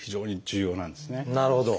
なるほど。